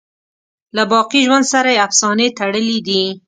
له باقی ژوند سره یې افسانې تړلي دي.